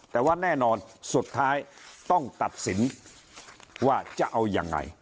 แต่ว่าแน่นอนสุดท้ายต้องตัดสินว่าจะเอายังไง